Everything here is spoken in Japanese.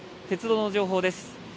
鉄道の情報です。